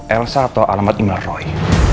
elsa atau alamat imam roy